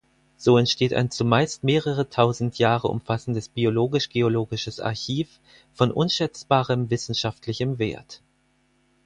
So entsteht ein zumeist mehrere Tausend Jahre umfassendes biologisch-geologisches Archiv von unschätzbarem wissenschaftlichem Wert.